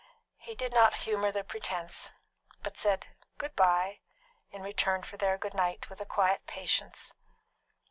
He did not humour the pretence, but said "Good bye" in return for their "Good night" with a quiet patience.